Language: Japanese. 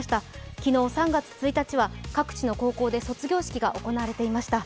昨日３月１日は各地の高校で卒業式が行われていました。